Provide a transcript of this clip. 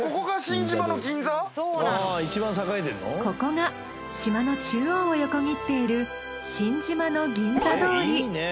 ここが島の中央を横切っている新島の銀座通り。